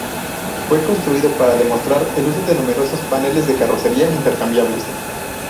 Fue construido para demostrar el uso de numerosos paneles de carrocería intercambiables.